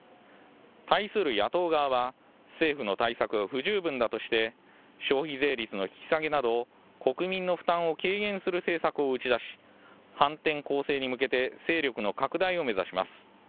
対する野党側は、政府の対策は不十分だとして消費税率の引き下げなど国民の負担を軽減する政策を打ち出し、反転攻勢に向けて勢力の拡大を目指します。